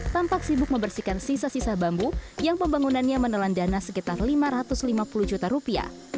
tampak sibuk membersihkan sisa sisa bambu yang pembangunannya menelan dana sekitar lima ratus lima puluh juta rupiah